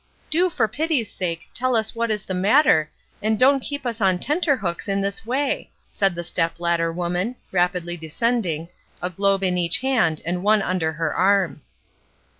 " Do for pity's sake tell us what is the matter, A WOMAN OF HER WORD 353 and don't keep us on tenter hooks in this way !" said the step ladder woman, rapidly descending, a globe in each hand and one under her arm.